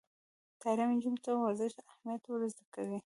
تعلیم نجونو ته د ورزش اهمیت ور زده کوي.